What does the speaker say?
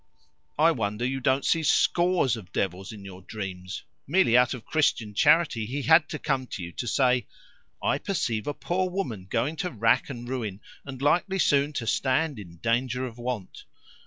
"I wonder you don't see SCORES of devils in your dreams! Merely out of Christian charity he had come to you to say, 'I perceive a poor widow going to rack and ruin, and likely soon to stand in danger of want.